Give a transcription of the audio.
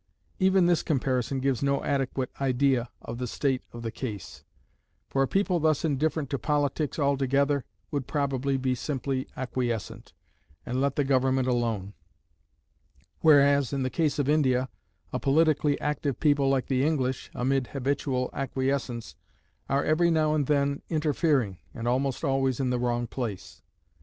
Even this comparison gives no adequate idea of the state of the case; for a people thus indifferent to politics altogether would probably be simply acquiescent, and let the government alone; whereas in the case of India, a politically active people like the English, amid habitual acquiescence, are every now and then interfering, and almost always in the wrong place.